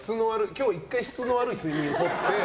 今日１回質の悪い睡眠をとって。